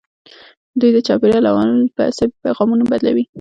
دوی د چاپیریال عوامل په عصبي پیغامونو بدلوي.